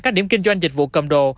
các điểm kinh doanh dịch vụ cầm đồ